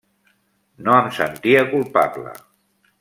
No em sentia culpable.